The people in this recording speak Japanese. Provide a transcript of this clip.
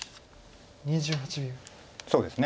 そうですね。